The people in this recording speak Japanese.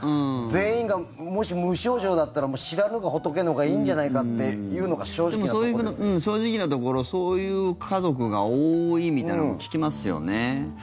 全員がもし、無症状だったら知らぬが仏のほうがいいんじゃないかっていうのがでも正直なところそういう家族が多いみたいなの聞きますよね。